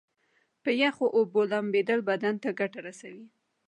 په یخو اوبو لمبیدل بدن ته ګټه رسوي.